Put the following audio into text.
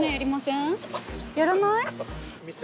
やらない？